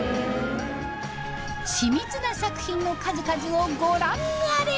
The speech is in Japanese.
緻密な作品の数々をご覧あれ！